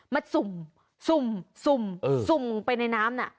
มาสุ่มไปในน้ำน่ะ